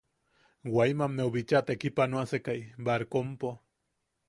Guaymammeu bicha tekipanoasekai barkompo.